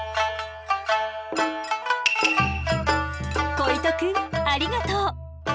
鯉斗くんありがとう。